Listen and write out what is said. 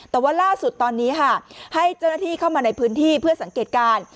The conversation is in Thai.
แต่ว่าล่าสุดตอนนี้ค่ะให้เจ้าหน้าที่เข้ามาในพื้นที่เพื่อสังเกตการณ์